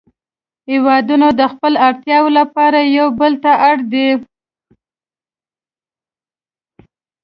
هیوادونه د خپلو اړتیاوو لپاره یو بل ته اړ دي